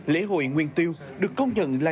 lễ hội nguyên tiêu được công nhận là